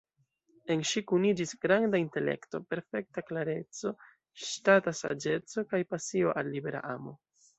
En ŝi kuniĝis granda intelekto, perfekta klereco, ŝtata saĝeco kaj pasio al "libera amo".